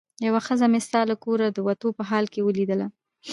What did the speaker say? یوه ښځه مې ستا له کوره د وتو په حال کې ولیدله.